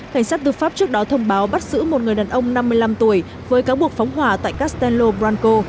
cảnh sát tư pháp trước đó thông báo bắt giữ một người đàn ông năm mươi năm tuổi với cáo buộc phóng hỏa tại castello branco